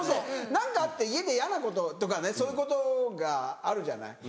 何かあって家で嫌なこととかねそういうことがあるじゃない。